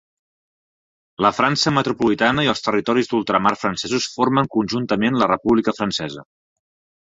La França metropolitana i els territoris d'ultramar francesos formen conjuntament la República Francesa.